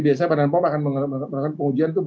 biasanya badan pom akan menggunakan pengujian